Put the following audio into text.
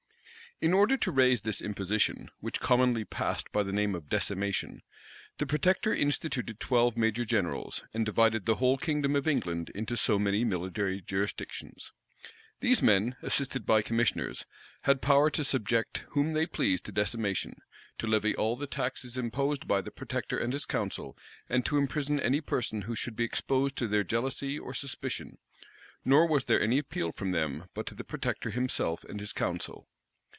In order to raise this imposition, which commonly passed by the name of decimation, the protector instituted twelve major generals; and divided the whole kingdom of England into so many military jurisdictions.[*] * Parl. Hist. vol. xx. p. 433. These men, assisted by commissioners, had power to subject whom they pleased to decimation, to levy all the taxes imposed by the protector and his council, and to imprison any person who should be exposed to their jealousy or suspicion; nor was there any appeal from them but to the protector himself and his council.